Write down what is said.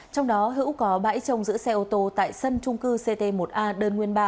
trong đó hữu có bãi trồng giữ xe ô tô tại sân trung cư ct một a đơn nguyên ba